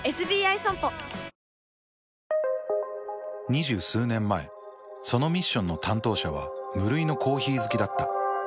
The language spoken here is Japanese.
２０数年前そのミッションの担当者は無類のコーヒー好きだった。